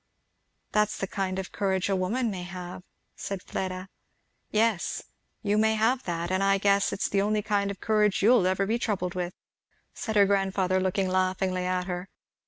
"That's a kind of courage a woman may have," said Fleda. "Yes you may have that; and I guess it's the only kind of courage you'll ever be troubled with," said her grandfather looking laughingly at her.